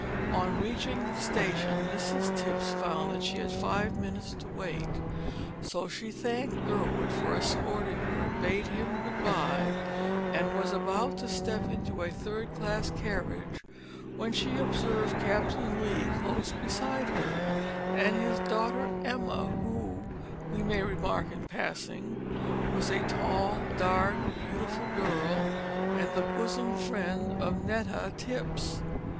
On reaching the station Mrs Tipps found that she had five minutes to wait, so she thanked Gurwood for escorting her, bade him good bye, and was about to step into a third class carriage when she observed Captain Lee close beside her, with his daughter Emma, who, we may remark in passing, was a tall, dark, beautiful girl, and the bosom friend of Netta Tipps.